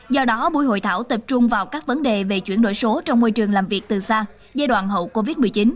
do đó buổi hội thảo tập trung vào các vấn đề về chuyển đổi số trong môi trường làm việc từ xa giai đoạn hậu covid một mươi chín